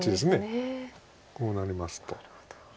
こうなりますと。